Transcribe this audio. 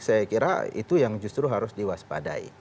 saya kira itu yang justru harus diwaspadai